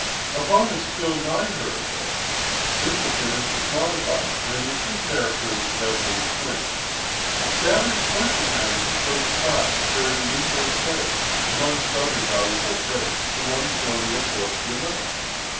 Upon a still nigher approach, this appearance was modified, and the true character of the vessel was plain—a Spanish merchantman of the first class, carrying negro slaves, amongst other valuable freight, from one colonial port to another.